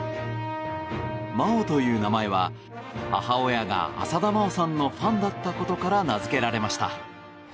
「麻央」という名前は母親が浅田真央さんのファンだったことから名づけられました。